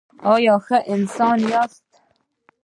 ایا ښه انسان یاست؟